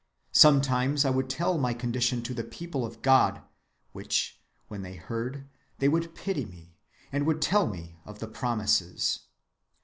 Sometimes I would tell my condition to the people of God, which, when they heard, they would pity me, and would tell of the Promises.